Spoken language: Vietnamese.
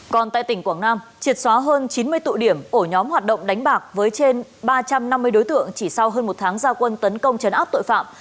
còn tại tỉnh quảng nam triệt xóa hơn chín mươi tụ điểm ổ nhóm hoạt động đánh bạc với trên ba trăm năm mươi đối tượng chỉ sau hơn một tháng gia quân tấn công chấn áp tội phạm